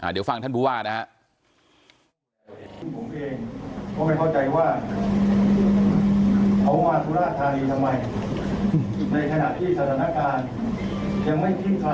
เดี๋ยวฟังท่านบุว่านะฮะ